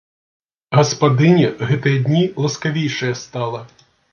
Гаспадыня гэтыя дні ласкавейшая стала.